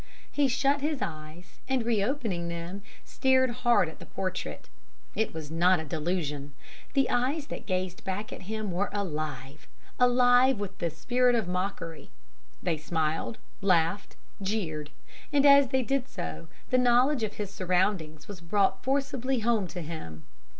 "He shut his eyes; and re opening them, stared hard at the portrait. It was not a delusion. The eyes that gazed back at him were alive alive with the spirit of mockery; they smiled, laughed, jeered; and, as they did so, the knowledge of his surroundings was brought forcibly home to him.